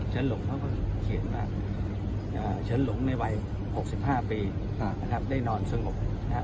เฉินหลงเขาก็เขียนว่าเฉินหลงในวัย๖๕ปีได้นอนสงบ